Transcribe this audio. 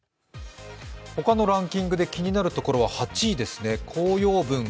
ほかのランキングで気になるところは８位ですね、公用文。